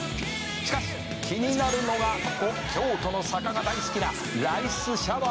「しかし気になるのがここ京都の坂が大好きなライスシャワーです」